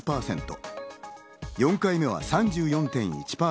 ４回目は３４．１％。